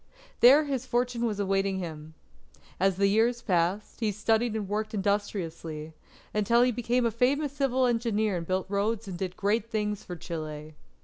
There his fortune was awaiting him. As the years passed, he studied and worked industriously, until he became a famous civil engineer and built roads and did great things for Chile.